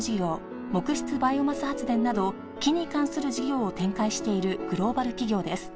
木質バイオマス発電など「木」に関する事業を展開しているグローバル企業です